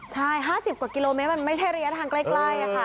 ใช่๕๐กว่ากิโลเมตรมันไม่ใช่ระยะทางใกล้ค่ะ